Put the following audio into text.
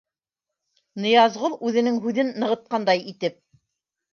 Ныязғол үҙенең һүҙен нығытҡандай итеп: